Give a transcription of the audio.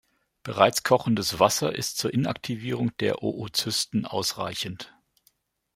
Bereits kochendes Wasser ist zur Inaktivierung der Oozysten ausreichend.